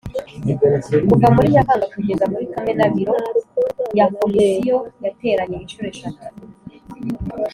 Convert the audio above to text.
Kuva muri Nyakanga kugeza muri Kamena biro ya Komisiyo yateranye inshuro eshatu